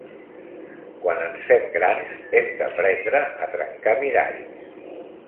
Quan ens fem grans, hem d'aprendre a trencar miralls.